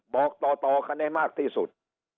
บอกต่อคะแน่มากที่สุด